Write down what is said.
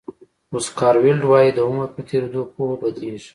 اوسکار ویلډ وایي د عمر په تېرېدو پوهه بدلېږي.